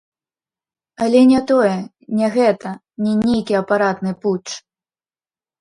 Але не тое, не гэта, не нейкі апаратны путч.